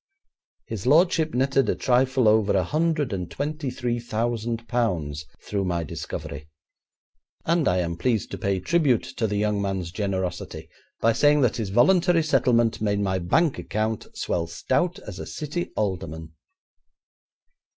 His lordship netted a trifle over a hundred and twenty three thousand pounds through my discovery, and I am pleased to pay tribute to the young man's generosity by saying that his voluntary settlement made my bank account swell stout as a City alderman.